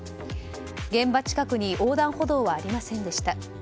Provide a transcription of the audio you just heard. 現場近くに横断歩道はありませんでした。